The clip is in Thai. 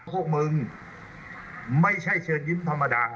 พวกมึงไม่ใช่เชิญยิ้มธรรมดา